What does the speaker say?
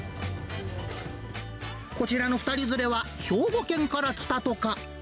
こちらの２人連れは、兵庫県から来たとか。